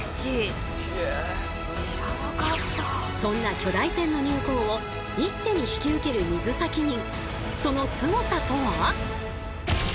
そんな巨大船の入港を一手に引き受ける水先人。